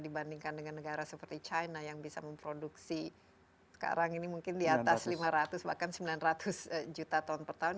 dibandingkan dengan negara seperti china yang bisa memproduksi sekarang ini mungkin di atas lima ratus bahkan sembilan ratus juta ton per tahun